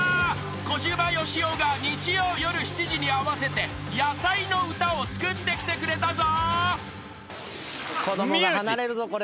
小島よしおが日曜夜７時に合わせて野菜の歌を作ってきてくれたぞ］